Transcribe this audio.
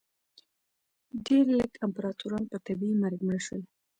ډېر لږ امپراتوران په طبیعي مرګ مړه شول